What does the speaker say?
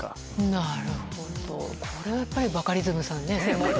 なるほどこれはやっぱりバカリズムさんね専門家。